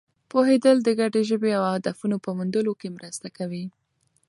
پوهېدل د ګډې ژبې او هدفونو په موندلو کې مرسته کوي.